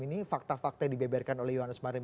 ini fakta fakta yang dibeberkan oleh johannes marlem